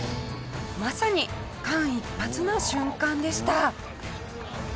まさに間一髪の瞬間でした。